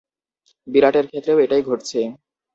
বিরাটের ক্ষেত্রেও এটাই ঘটছে।